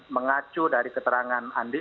mengacu dari keterangan andi